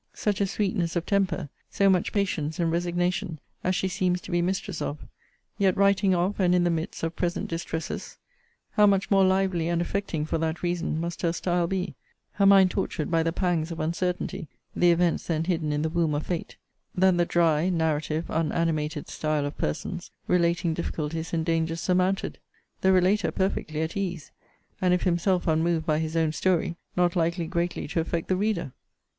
such a sweetness of temper, so much patience and resignation, as she seems to be mistress of; yet writing of and in the midst of present distresses! how much more lively and affecting, for that reason, must her style be; her mind tortured by the pangs of uncertainty, (the events then hidden in the womb of fate,) than the dry, narrative, unanimated style of persons, relating difficulties and dangers surmounted; the relater perfectly at ease; and if himself unmoved by his own story, not likely greatly to affect the reader!